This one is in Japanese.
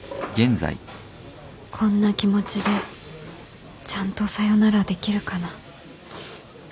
こんな気持ちでちゃんとさよならできるかな